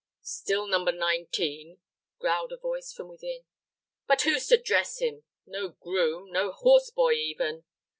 "Stall number nineteen," growled a voice from within. "But who's to dress him? No groom no horse boy, even!"